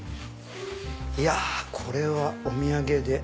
いやこれはお土産で。